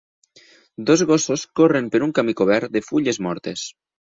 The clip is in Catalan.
Dos gossos corren per un camí cobert de fulles mortes.